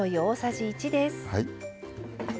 はい。